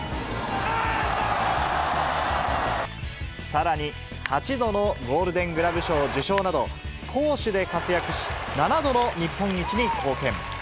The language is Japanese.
さらに、８度のゴールデングラブ賞を受賞など、攻守で活躍し、７度の日本一に貢献。